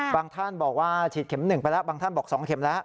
บางท่านบอกว่าฉีดเข็ม๑ไปแล้ว